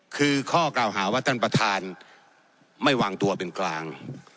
คือข้อกล่าวหาว่าท่านประธานไม่วางตัวเป็นกลาง